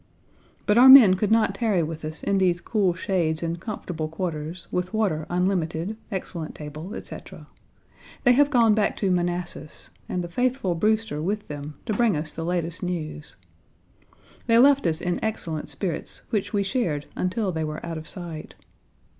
But our men could not tarry with us in these cool shades and comfortable quarters, with water unlimited, excellent table, etc. They have gone back to Manassas, and the faithful Brewster with them to bring us the latest news. They left us in excellent spirits, which we shared until they were out of sight.